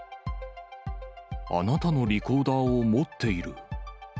あなたのリコーダーを持っている。